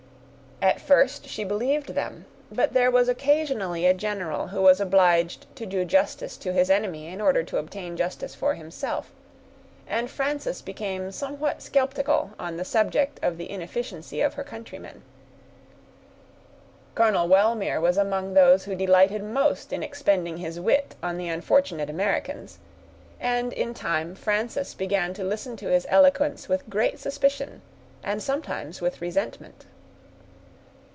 At first she believed them; but there was occasionally a general, who was obliged to do justice to his enemy in order to obtain justice for himself; and Frances became somewhat skeptical on the subject of the inefficiency of her countrymen. Colonel Wellmere was among those who delighted most in expending his wit on the unfortunate Americans; and, in time, Frances began to listen to his eloquence with great suspicion, and sometimes with resentment.